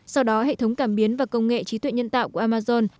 sau đó hệ thống cảm biến và công nghệ trí tuệ nhân tạo của amazon